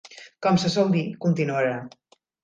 Com se sol dir, continuarà.